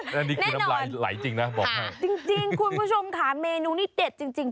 แน่นอนจริงคุณผู้ชมคะเมนูนี้เด็ดจริง